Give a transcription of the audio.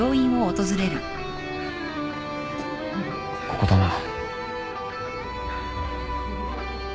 ここだな。